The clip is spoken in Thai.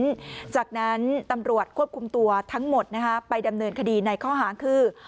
หลังจากนั้นตำรวจควบคุมตัวทั้งหมดไปดำเนินคดีในข้อหาคือ